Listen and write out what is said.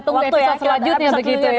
kita tunggu episode selanjutnya begitu ya